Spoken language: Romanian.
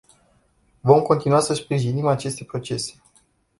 Vom continua să sprijinim aceste procese.